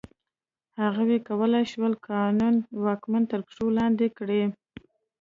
هغوی کولای شول قانون واکمني تر پښو لاندې کړي.